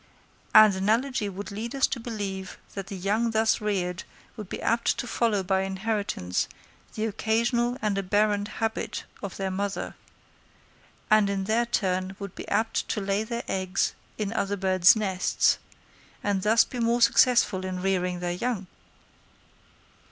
And analogy would lead us to believe, that the young thus reared would be apt to follow by inheritance the occasional and aberrant habit of their mother, and in their turn would be apt to lay their eggs in other birds' nests, and thus be more successful in rearing their young.